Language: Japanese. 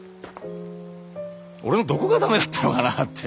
俺のどこが駄目だったのかなって。